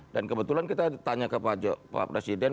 dan kebetulan kita tanya ke pak presiden